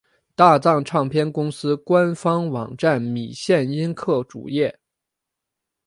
大藏唱片公司官方网站米线音客主页